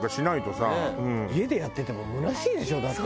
家でやっててもむなしいでしょ？だって。